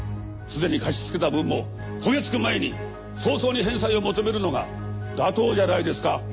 すでに貸し付けた分も焦げつく前に早々に返済を求めるのが妥当じゃないですか。